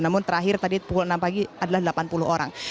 namun terakhir tadi pukul enam pagi adalah delapan puluh orang